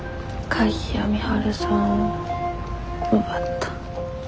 鍵谷美晴さんを奪った。